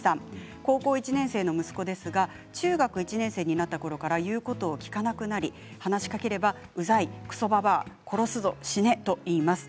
高校１年生の息子ですが中学１年生になったころから言うことを聞かなくなり話しかければ、うざいくそばばあ、殺すぞ、死ねと言います。